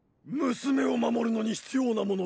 娘を守るのに必要なもの